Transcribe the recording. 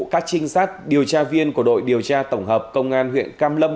các trinh sát điều tra viên của đội điều tra tổng hợp công an huyện cam lâm